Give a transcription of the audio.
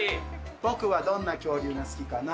僕はどんな恐竜が好きかな？